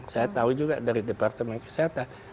saya tahu juga dari departemen kesehatan